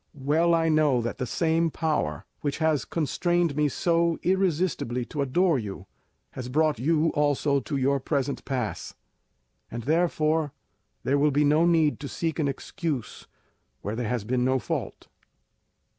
Well I know that the same power which has constrained me so irresistibly to adore you, has brought you also to your present pass, and therefore there will be no need to seek an excuse where there has been no fault."